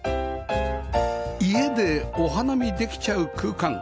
家でお花見できちゃう空間